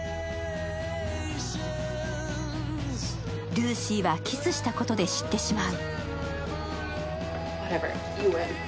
ルーシーは、キスしたことで知ってしまう。